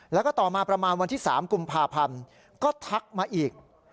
แล้วก็ต่อมาประมาณวันที่๓กุมภาพันธ์ก็ทักมาอีก